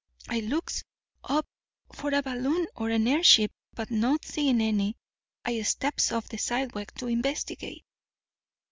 I looks up for a balloon or an airship; but not seeing any, I steps off the sidewalk to investigate.